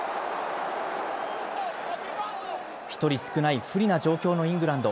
１人少ない不利な状況のイングランド。